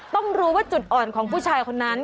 ต้องรู้ว่าจุดอ่อนของผู้ชายคนนั้น